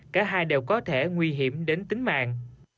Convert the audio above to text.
cả hai đều có thể nguy hiểm đến tính mạng